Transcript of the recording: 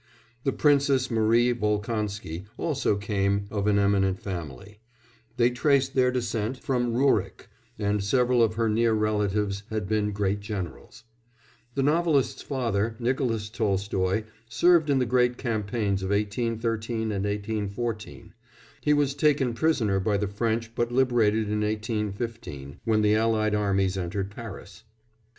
The Princess Marie Volkonsky also came of an eminent family; they traced their descent from Rurik, and several of her near relatives had been great generals. The novelist's father, Nicolas Tolstoy, served in the great campaigns of 1813 and 1814; he was taken prisoner by the French but liberated in 1815, when the allied armies entered Paris.